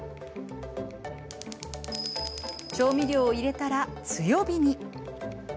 調味料を入れたら強火に。